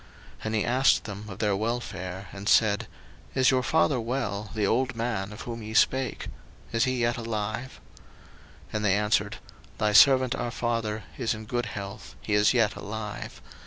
01:043:027 And he asked them of their welfare, and said, Is your father well, the old man of whom ye spake? Is he yet alive? 01:043:028 And they answered, Thy servant our father is in good health, he is yet alive.